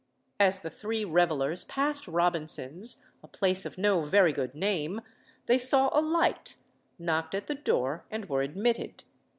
As the three revellers passed Robinson's, a place of no very good name, they saw a light, knocked at the door, and were admitted.